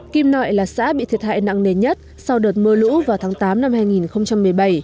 kim nội là xã bị thiệt hại nặng nề nhất sau đợt mưa lũ vào tháng tám năm hai nghìn một mươi bảy